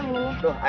tahu sih bang